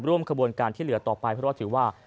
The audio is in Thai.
ร่วมกระบวนการที่เหลือต่อไปพระบอสถือว่า